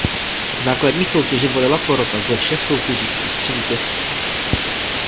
V základní soutěži volila porota ze všech soutěžících tři vítězky.